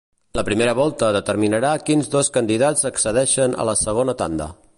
La primera volta determinarà quins dos candidats accedeixen a la segona tanda.